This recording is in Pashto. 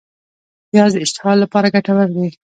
پیاز د اشتها لپاره ګټور دی